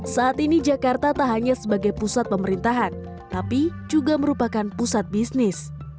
saat ini jakarta tak hanya sebagai pusat pemerintahan tapi juga merupakan pusat bisnis